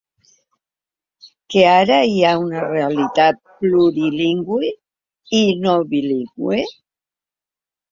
Que ara hi ha una realitat plurilingüe i no bilingüe?